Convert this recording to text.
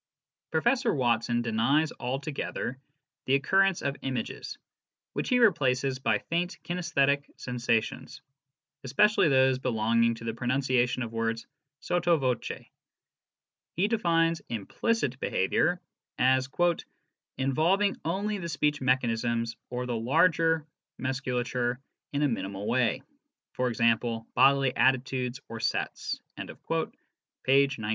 Professor Watson denies altogether the occurrence of images, which he replaces by faint kinaesthetic sensations, especially those belonging to the pronunciation of words sotto voce. He defines " implicit behaviour " as " involving only the speech mechanisms (or the larger musculature in a minimal way; e.g., bodily attitudes or sets) " (p. 19).